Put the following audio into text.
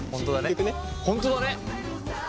本当だね！